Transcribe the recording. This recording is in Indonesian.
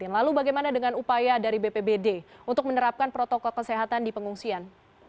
lalu bagaimana dengan upaya dari bpbd untuk menerapkan protokol kesehatan di pengungsian